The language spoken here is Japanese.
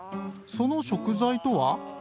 その食材とは？